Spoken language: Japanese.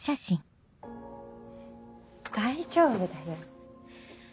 大丈夫だよ。